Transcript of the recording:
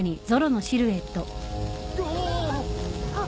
あっ！